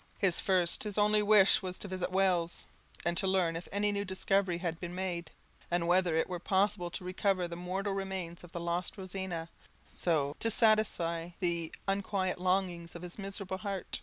His first, his only wish, was to visit Wales, and to learn if any new discovery had been made, and whether it were possible to recover the mortal remains of the lost Rosina, so to satisfy the unquiet longings of his miserable heart.